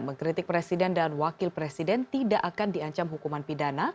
mengkritik presiden dan wakil presiden tidak akan diancam hukuman pidana